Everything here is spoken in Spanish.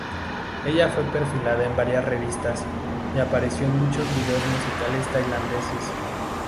Ella fue perfilada en varias revistas, y apareció en muchos videos musicales tailandeses.